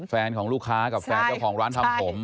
ของลูกค้ากับแฟนเจ้าของร้านทำผม